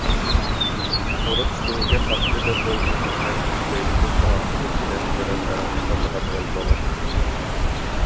Урут биһиги хастыы да сыл билсиһэн, үчүгэйбитин-куһаҕаммытын билэн-көрөн баран холбоһон ыал буоларбыт